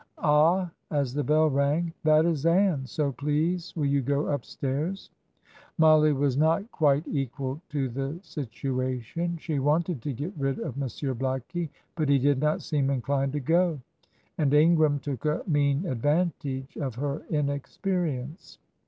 Ah," as the bell rang, "that is Ann, so please will you go upstairs." Mollie was not quite equal to the situation; she wanted to get rid of Monsieur Blackie, but he did not seem inclined to go; and Ingram took a mean advantage of her inexperience.